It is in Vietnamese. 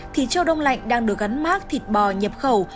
thì châu đông lạnh đang được gắn mát thịt bò nhập khẩu